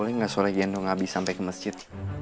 kenapa soleh gendong abih sampai ke masjid